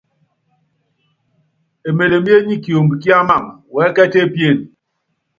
Emelemié nyɛ kiombi ki Amaŋ wɛɛ́kɛ́t epíén.